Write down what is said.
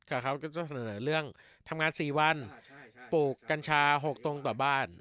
ก็เขาจะเสนอเรื่องทำงาน๔วันปลูกกัญชา๖ตรงต่อบ้าน